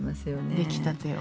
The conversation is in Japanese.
出来たてを。